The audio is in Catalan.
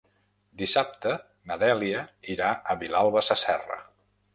Dissabte na Dèlia irà a Vilalba Sasserra.